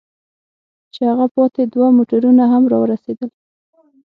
چې هغه پاتې دوه موټرونه هم را ورسېدل.